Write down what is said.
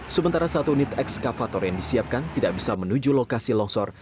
sementara satu unit ekskavator yang disiapkan tidak bisa menuju lokasi longsor